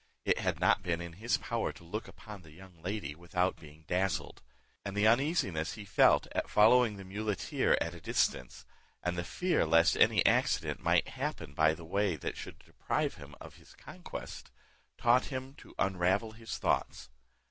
It had not been in his power to look upon the young lady without being dazzled; and the uneasiness he felt at following the muleteer at a distance, and the fear lest any accident might happen by the way that should deprive him of his conquest, taught him to unravel his thoughts.